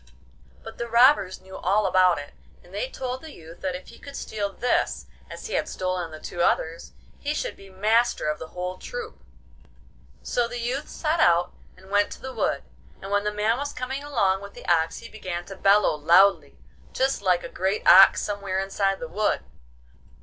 But the robbers knew all about it, and they told the youth that if he could steal this as he had stolen the two others, he should be master of the whole troop. So the youth set out and went to the wood, and when the man was coming along with the ox he began to bellow loudly, just like a great ox somewhere inside the wood.